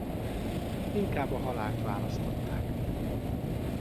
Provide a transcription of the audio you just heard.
Inkább a halált választották.